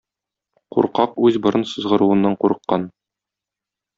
Куркак үз борын сызгыруыннан курыккан.